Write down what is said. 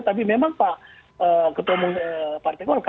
tapi memang pak ketua umum partai golkar